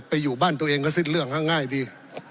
ไปอยู่บ้านตัวเองก็ซึ่งเรื่องแห้งง่ายดี